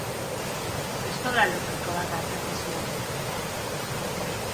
Pistola elektriko bat atzeman zioten.